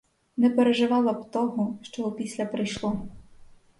Не переживала б того, що опісля прийшло.